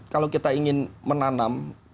kalau kita ingin menanam